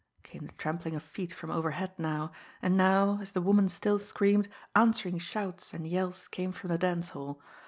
Came the trampling of feet from overhead now; and now, as the woman still screamed, answering shouts and yells came from the dance hall.